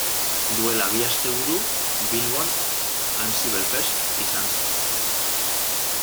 Duela bi asteburu Bilbon AnsibleFest izan zen.